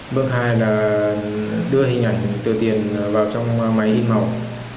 bước hai là đưa hình ảnh tựa tiền vào trong máy hình mỏng